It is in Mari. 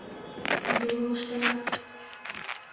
Ынде мом ыштена?